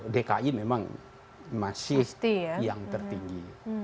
dki memang masih yang tertinggi